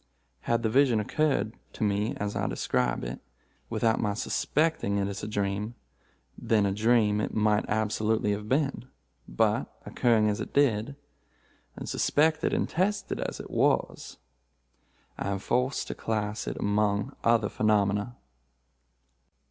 Had the vision occurred to me as I describe it, without my suspecting it as a dream, then a dream it might absolutely have been, but, occurring as it did, and suspected and tested as it was, I am forced to class it among other phenomena."